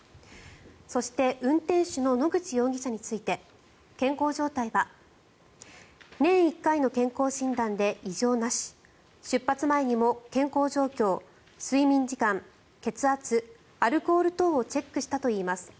そして運転手の野口容疑者について健康状態は年１回の健康診断で異常なし出発前にも健康状況、睡眠時間血圧、アルコール等をチェックしたといいます。